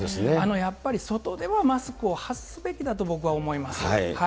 やっぱり外ではマスクを外すべきだと僕は思います。